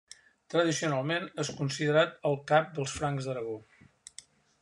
Tradicionalment és considerat el cap dels francs d'Aragó.